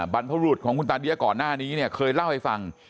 บรรพบรุษของคุณตาเดี้ยก่อนหน้านี้เนี่ยเคยเล่าให้ฟัง